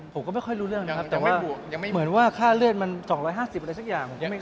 ผมก็ไม่ค่อยรู้เรื่องนะครับแต่ว่าเหมือนว่าค่าเลือดมัน๒๕๐อะไรสักอย่าง